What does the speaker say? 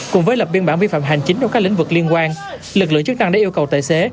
cùng với lập biên bản vi phạm hành chính trong các lĩnh vực liên quan lực lượng chức năng đã yêu cầu tài xế